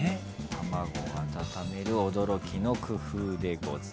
卵を温める驚きの工夫です。